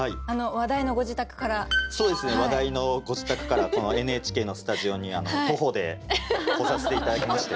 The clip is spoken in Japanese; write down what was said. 話題のご自宅からこのＮＨＫのスタジオに徒歩で来させて頂きまして。